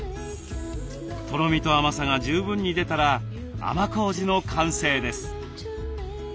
とろみと甘さが十分に出たら甘こうじの完成です。